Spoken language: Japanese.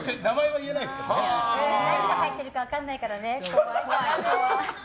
何が入ってるか分からないからね。